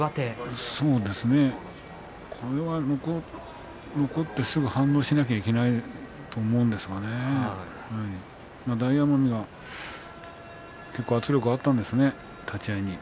これは残ってすぐに反応しなければいけないと思うんですけれど大奄美も結構、圧力があったんですね、立ち合いに。